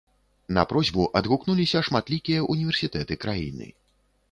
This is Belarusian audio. На просьбу адгукнуліся шматлікія ўніверсітэты краіны.